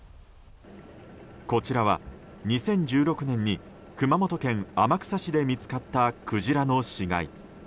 こちらは、２０１６年に熊本県天草市で見つかったクジラの死骸。